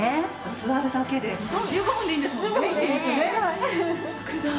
座るだけで１５分でいいんですもんね一日ね。